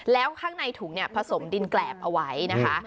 แล้วข้างในถุงเนี่ยผสมดินแกรบเอาไว้นะคะ